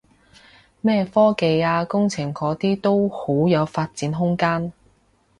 咩科技啊工程嗰啲都好有發展空間